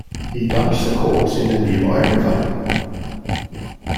He dumps the corpse in the nearby river.